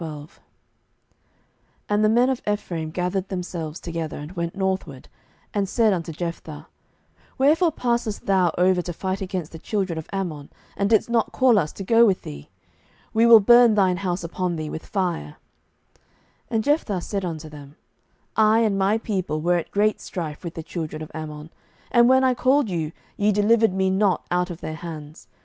07:012:001 And the men of Ephraim gathered themselves together, and went northward, and said unto Jephthah, Wherefore passedst thou over to fight against the children of Ammon, and didst not call us to go with thee? we will burn thine house upon thee with fire. 07:012:002 And Jephthah said unto them, I and my people were at great strife with the children of Ammon; and when I called you, ye delivered me not out of their hands.